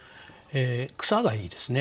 「草」がいいですね。